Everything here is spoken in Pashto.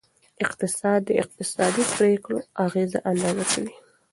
اقتصاد د اقتصادي پریکړو اغیزه اندازه کوي.